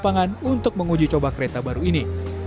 kami ke lapangan untuk menguji coba kereta baru ini